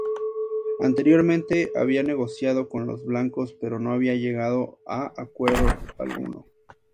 Anteriormente había negociado con los blancos, pero no había llegado a acuerdo alguno.